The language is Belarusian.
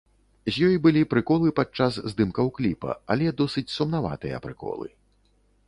З ёй былі прыколы падчас здымкаў кліпа, але досыць сумнаватыя прыколы.